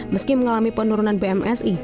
meski mengalami penurunan bmsi